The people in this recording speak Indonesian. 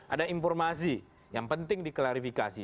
ada informasi yang penting diklarifikasi